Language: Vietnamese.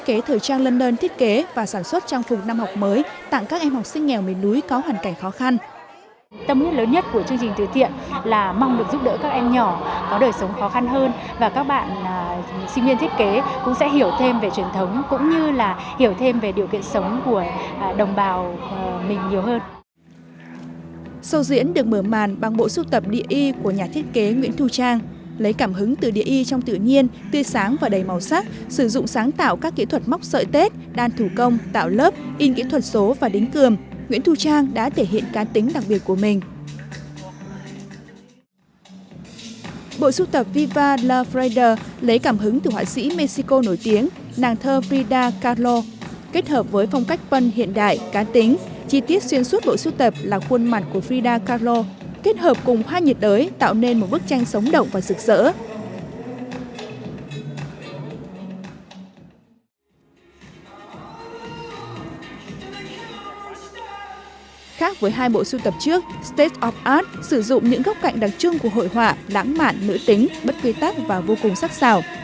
khác với hai bộ sưu tập trước state of art sử dụng những góc cạnh đặc trưng của hội họa lãng mạn nữ tính bất quy tắc và vô cùng sắc xảo